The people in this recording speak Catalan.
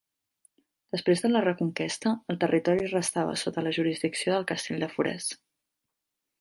Després de la Reconquesta, el territori restava sota la jurisdicció del castell de Forès.